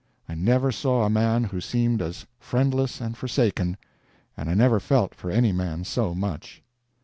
I never saw a man who seemed as friendless and forsaken, and I never felt for any man so much.